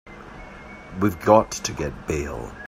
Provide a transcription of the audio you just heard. We've got to get bail.